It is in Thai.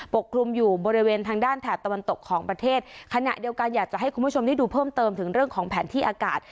กลุ่มอยู่บริเวณทางด้านแถบตะวันตกของประเทศขณะเดียวกันอยากจะให้คุณผู้ชมได้ดูเพิ่มเติมถึงเรื่องของแผนที่อากาศ